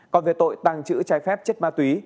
còn về tội tàng trữ trái phép chất ma túy